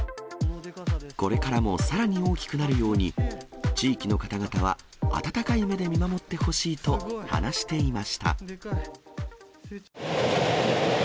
これからもさらに大きくなるように、地域の方々は温かい目で見守ってほしいと話していました。